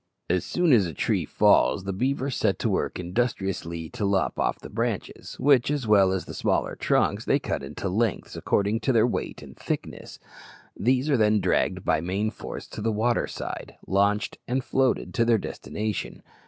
As soon as a tree falls, the beavers set to work industriously to lop off the branches, which, as well as the smaller trunks, they cut into lengths, according to their weight and thickness. These are then dragged by main force to the water side, launched, and floated to their destination.